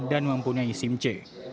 dan mempunyai sikap yang lebih baik